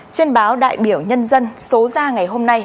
trên báo đại biểu nhân dân số ra ngày hôm nay